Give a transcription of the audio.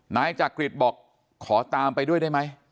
นายจักริตบอกขอตามไปด้วยได้ไหม